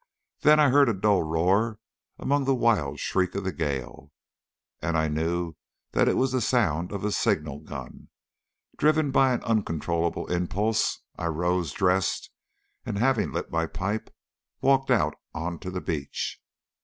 Then I heard a dull roar amid the wild shriek of the gale, and I knew that it was the sound of a signal gun. Driven by an uncontrollable impulse, I rose, dressed, and having lit my pipe, walked out on to the beach.